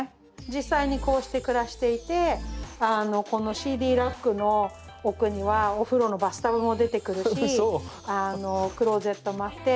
実際にこうして暮らしていてこのＣＤラックの奥にはお風呂のバスタブも出てくるしクローゼットもあって。